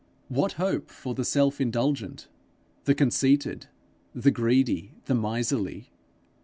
what hope for the self indulgent, the conceited, the greedy, the miserly?